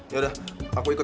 yaudah aku ikut